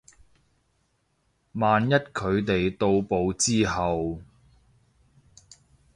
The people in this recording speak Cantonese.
萬一佢哋到埗之後